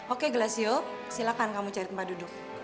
oke glacio silakan kamu cari tempat duduk